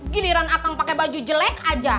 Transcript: giliran akang pake baju jelek aja